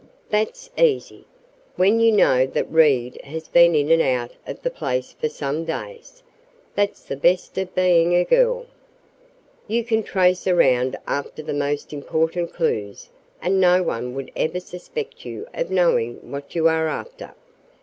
"That's easy. When you know that Reed has been in and out of the place for some days. That's the best of being a girl. You can trace around after the most important clues and no one would ever suspect you of knowing what you are after.